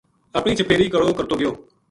اپنے چھپیری کڑو کرتو گیو